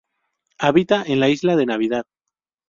Habita en la Isla de Navidad.